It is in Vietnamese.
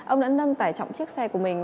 ông đã nâng tải trọng chiếc xe của mình